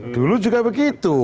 dulu juga begitu